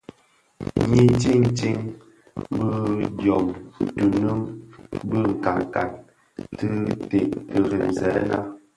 Nyi tsèntsé bi diom tunun bi nkankan, ti ted kiremzèna.